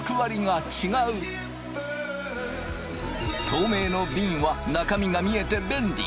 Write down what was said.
透明のびんは中身が見えて便利。